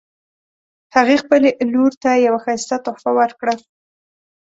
هغې خپل لور ته یوه ښایسته تحفه ورکړه